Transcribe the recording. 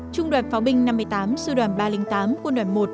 trung đoàn pháo binh năm mươi tám sư đoàn ba trăm linh tám quân đoàn một